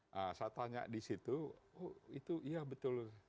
nah saya tanya di situ oh itu iya betul